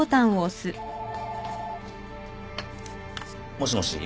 ☎☎もしもし？